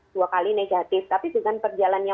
dua kali negatif tapi dengan perjalannya